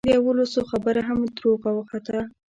د یوولسو خبره هم دروغه وخته.